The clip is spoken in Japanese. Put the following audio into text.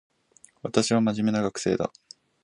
私は真面目な学生だ